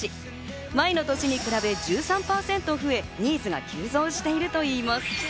前の年に比べ１３％増え、ニーズが急増しているといいます。